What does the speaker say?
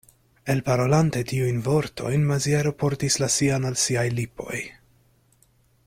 Elparolante tiujn vortojn, Maziero portis la sian al siaj lipoj.